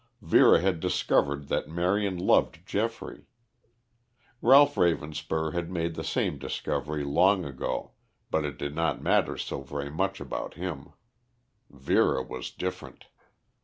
Vera had discovered that Marion loved Geoffrey. Ralph Ravenspur had made the same discovery long ago, but it did not matter so very much about him; Vera was different.